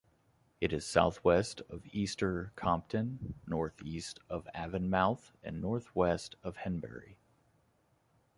It is southwest of Easter Compton, northeast of Avonmouth and northwest of Henbury.